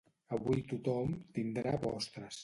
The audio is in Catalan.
Avui tothom tindrà postres